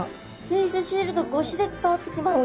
フェースシールドごしで伝わってきます。